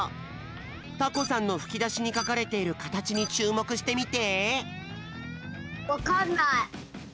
タコさんのふきだしにかかれているかたちにちゅうもくしてみて。